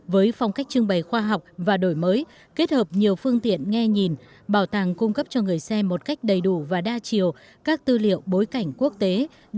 với phong cách trưng bày khoa học và đổi mới kết hợp nhiều phương tiện nghe nhìn bảo tàng cung cấp cho người xem một cách đầy đủ và đa chiều các tư liệu bối cảnh quốc tế